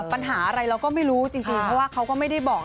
ปัญหาอะไรเราก็ไม่รู้จริงเพราะว่าเขาก็ไม่ได้บอก